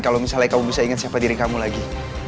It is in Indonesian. kalau misalnya kamu bisa ingat siapa diri kamu lagi